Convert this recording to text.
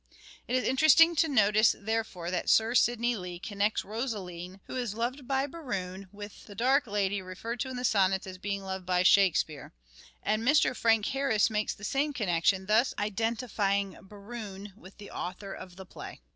It is interesting to notice, therefore, that Sir Sidney Lee connects Rosaline who is loved by Berowne with the " dark lady " referred to in the sonnets as being loved by Shakespeare ; and Mr. Frank Harris makes the same connection, thus identifying Berowne with the author of the play.